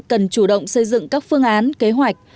cần chủ động xây dựng các phương án kế hoạch